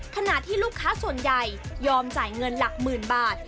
ขณะที่ลูกค้าส่วนใหญ่ยอมจ่ายเงินหลักหมื่นบาท